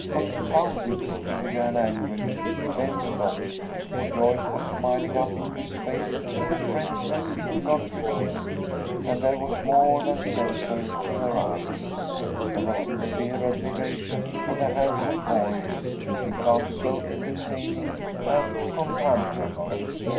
"Confound it!" he began, angrily, then stopped, for Joyce was smiling up into his face with a friendliness he could not resist, and there was more than censure in her eyes. There was sincere admiration for the handsome boy whom she found so entertaining and companionable.